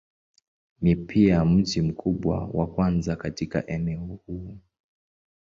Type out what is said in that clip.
Ni pia mji mkubwa wa kwanza katika eneo huu.